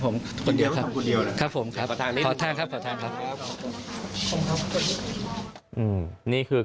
มึงทำคนเดียวป่ะครับ